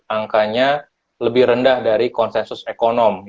angkanya lebih rendah dari konsensus ekonomi